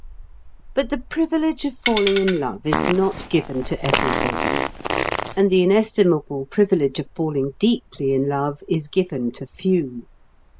But the privilege of falling in love is not given to everybody, and the inestimable privilege of falling deeply in love is given to few.